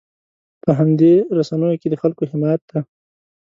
په همدې رسنیو کې د خلکو حمایت دی.